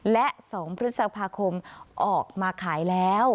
และ๒พฤษภาคมออกมาขายแล้ว